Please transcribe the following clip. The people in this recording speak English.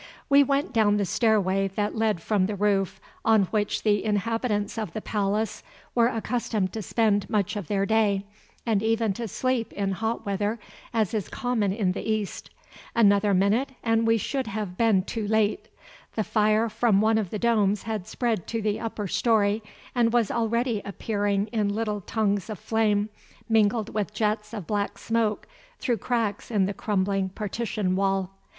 We went down the stairway that led from the roof on which the inhabitants of the palace were accustomed to spend much of their day, and even to sleep in hot weather, as is common in the East. Another minute and we should have been too late. The fire from one of the domes had spread to the upper story, and was already appearing in little tongues of flame mingled with jets of black smoke through cracks in the crumbling partition wall.